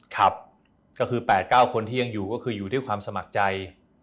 ครับก็คือ๘๙คนที่ยังอยู่ก็คืออยู่ที่ความสมัครใจ